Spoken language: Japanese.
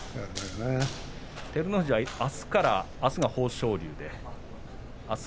照ノ富士はあすが豊昇龍です。